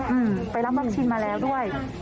อืมไปรับวัคซีนมาแล้วด้วย